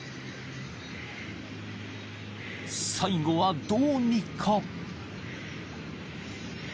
［最後はどうにか］